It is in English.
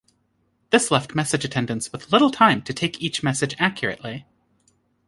This left message attendants with little time to take each message accurately.